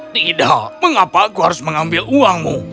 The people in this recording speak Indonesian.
tidak mengapa aku harus mengambil uangmu